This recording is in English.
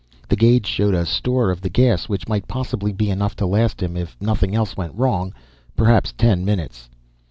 The gauge showed a store of the gas which might possibly be enough to last him, if nothing else went wrong; perhaps ten minutes.